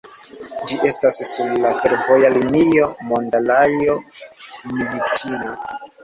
Ĝi estas sur la fervoja linio Mandalajo-Mjiĉina.